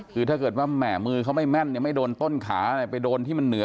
คือถ้าเกิดว่าแหม่มือเขาไม่แม่นเนี่ยไม่โดนต้นขาอะไรไปโดนที่มันเหนือ